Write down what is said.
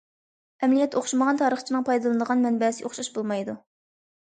ئەمەلىيەتتە، ئوخشىمىغان تارىخچىنىڭ پايدىلىنىدىغان مەنبەسى ئوخشاش بولمايدۇ.